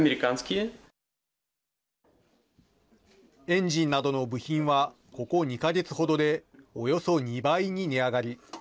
エンジンなどの部品はここ２か月ほどでおよそ２倍に値上がり。